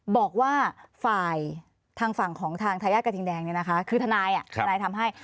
บอกว่าฝ่ายทางฝั่งของทางทายาทกระทิงแดงเนี่ยนะคะคือทนายทนายทำให้